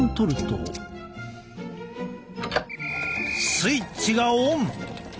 スイッチがオン。